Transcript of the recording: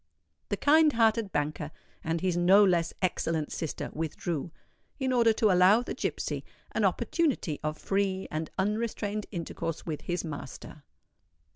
The kind hearted banker and his no less excellent sister withdrew, in order to allow the gipsy an opportunity of free and unrestrained intercourse with his master.